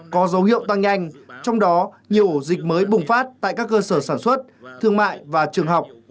có dấu hiệu tăng nhanh trong đó nhiều ổ dịch mới bùng phát tại các cơ sở sản xuất thương mại và trường học